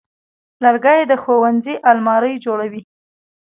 لرګی د ښوونځي المارۍ جوړوي.